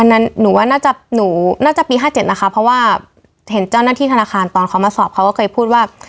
หนูว่าน่าจะหนูน่าจะปี๕๗นะคะเพราะว่าเห็นเจ้าหน้าที่ธนาคารตอนเขามาสอบเขาก็เคยพูดว่า